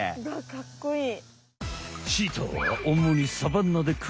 かっこいい。